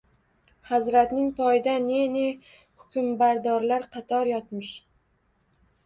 Hazratning poyida ne-ne hukmbardorlar qator yotmish.